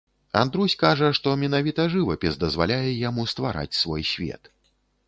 Андрусь кажа, што менавіта жывапіс дазваляе яму ствараць свой свет.